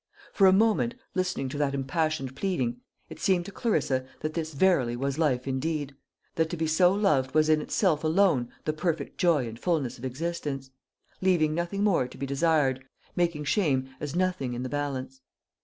For a moment, listening to that impassioned pleading, it seemed to Clarissa that this verily was life indeed that to be so loved was in itself alone the perfect joy and fulness of existence, leaving nothing more to be desired, making shame as nothing in the balance.